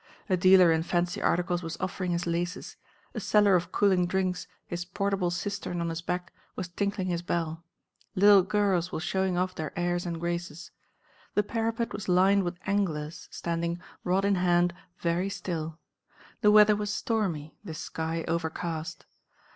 A dealer in fancy articles was offering his laces, a seller of cooling drinks, his portable cistern on his back, was tinkling his bell; little girls were showing off their airs and graces. The parapet was lined with anglers, standing, rod in hand, very still. The weather was stormy, the sky overcast.